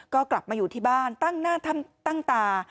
ก็กลับมาอยู่ที่บ้านตั้งหน้าตั้งตา